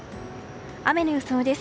雨の予想です。